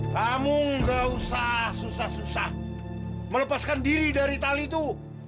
kamu nggak usah susah susah melepaskan diri dari tali itu